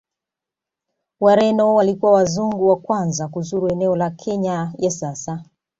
Wareno walikuwa Wazungu wa kwanza kuzuru eneo la Kenya ya sasa